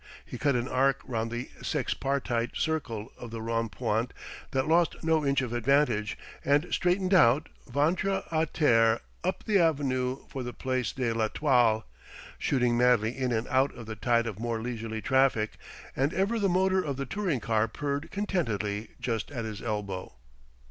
He cut an arc round the sexpartite circle of the Rond Point that lost no inch of advantage, and straightened out, ventre à terre, up the avenue for the place de l'Étoile, shooting madly in and out of the tide of more leisurely traffic and ever the motor of the touring car purred contentedly just at his elbow.